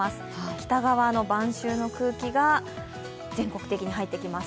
北側の晩秋の空気が全国的に入ってきます。